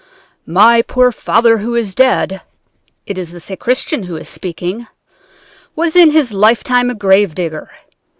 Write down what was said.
"My poor father who is dead" (it is the sacristan who is speaking,) "was in his lifetime a grave digger.